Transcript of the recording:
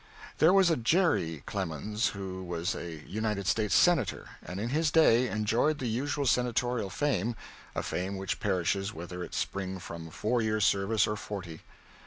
There was a Jere. Clemens who was a United States Senator, and in his day enjoyed the usual Senatorial fame a fame which perishes whether it spring from four years' service or forty.